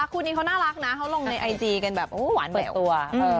คูณี้เค้าน่ารักนะเค้าลงในไอจีกันแบบโหไหว่เปิดตัว